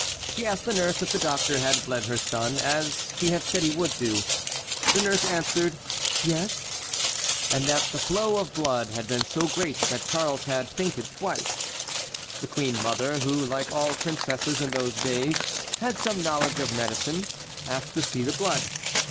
She asked the nurse if the doctor had bled her son as he had said he would do. The nurse answered "Yes" and that the flow of blood had been so great that Charles had fainted twice. The queen mother, who, like all princesses in those days, had some knowledge of medicine, asked to see the blood.